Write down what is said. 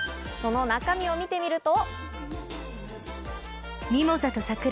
その中身を見てみると。